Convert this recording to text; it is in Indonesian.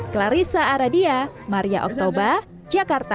clarissa aradia maria oktober jakarta